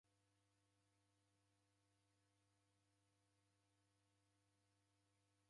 Kimanga cha mjaja na chughu chanisingiaa sana.